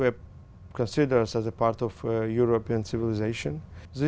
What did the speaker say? học viên ho chi minh